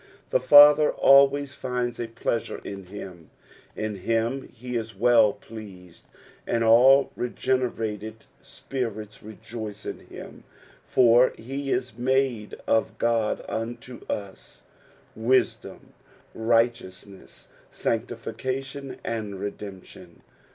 The Father always finds a pleasure in him, in him he is well pleased ; and all regenerated spirits rejoice in him, for he is made of God unto u", " wisdom, righteous n ess, tanctification, and redemption."